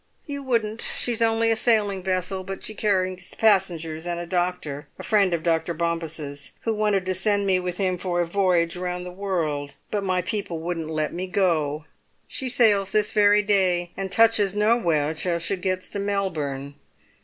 "You wouldn't; she's only a sailing vessel, but she carries passengers and a doctor, a friend of Dr. Bompas's, who wanted to send me with him for a voyage round the world. But my people wouldn't let me go. She sails this very day, and touches nowhere till she gets to Melbourne.